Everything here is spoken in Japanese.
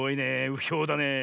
うひょだね。